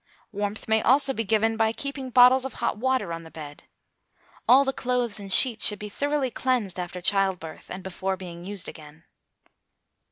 Warmth may also be given by keeping bottles of hot water on the bed. All the clothes and sheets should be thoroughly cleansed after child birth, and before being used again.